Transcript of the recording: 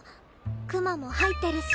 「くま」も入ってるし。